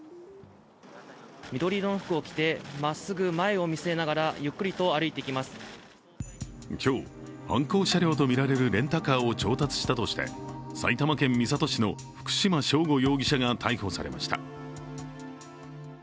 緑色の服を着て、まっすぐ前を見据えながら、今日、犯行車両とみられるレンタカーを調達したとして埼玉県三郷市の福島聖悟容疑者が逮捕されました。